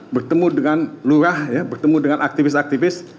bertemu dengan lurah ya bertemu dengan aktivis aktivis